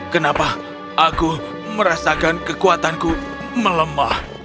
kenapa aku merasakan kekuatanku melemah